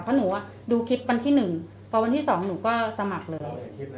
เพราะหนูดูคลิปวันที่๑พอวันที่๒หนูก็สมัครเลย